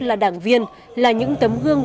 là đảng viên là những tấm gương